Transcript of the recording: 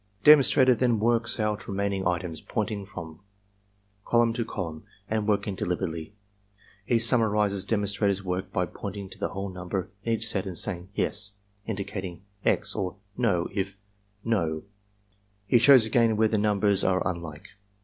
Demonstrator then works out remaining items, pointing from column to column and working deliberately. E. summarizes demonstrator's work by pointing to the whole numbers in each set and saying "Yes" (indicating X) or "No;" if "No," he shows again where the numbers are unlike.